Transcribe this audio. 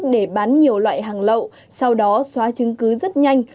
để bán nhiều loại hàng lậu sau đó xóa chứng cứ rất nhanh